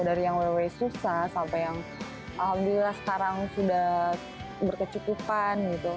dari yang wewe susah sampai yang alhamdulillah sekarang sudah berkecukupan gitu